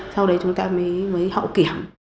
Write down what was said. sau đấy chúng ta mới hậu kiểm